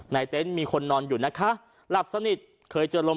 เต็นต์มีคนนอนอยู่นะคะหลับสนิทเคยเจอลม